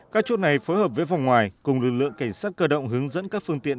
các chốt này phối hợp với phòng ngoài cùng lực lượng cảnh sát cơ động hướng dẫn các phương tiện